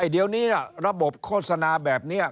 เดี๋ยวนี้ระบบโฆษณาแบบนี้